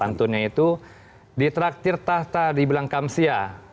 pantunnya itu ditraktir tahta dibilang kamsia